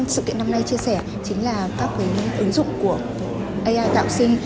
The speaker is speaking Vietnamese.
sự kiện năm nay chia sẻ chính là các ứng dụng của ai tạo sinh